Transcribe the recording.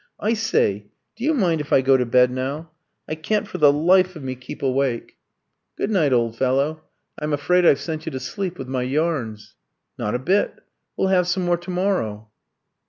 "I say, do you mind if I go to bed now? I can't for the life of me keep awake." "Good night, old fellow; I'm afraid I've sent you to sleep with my yarns." "Not a bit. We'll have some more to morrow."